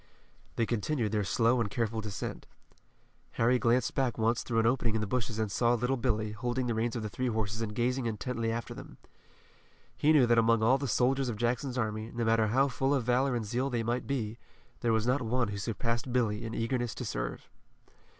They continued their slow and careful descent. Harry glanced back once through an opening in the bushes and saw little Billy, holding the reins of the three horses and gazing intently after them. He knew that among all the soldiers of Jackson's army, no matter how full of valor and zeal they might be, there was not one who surpassed Billy in eagerness to serve.